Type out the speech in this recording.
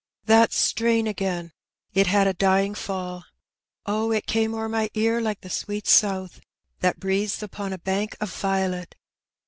That strain again ; it had a dying fall : Od, it came o'er my ear like the sweet south That breathes upon a bank of violet?